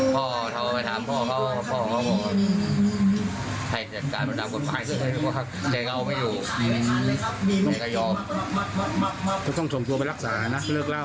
ก็ต้องส่งตัวไปรักษานะเลิกเล่า